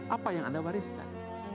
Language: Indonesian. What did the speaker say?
apa yang anda wariskan